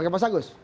oke pak sagus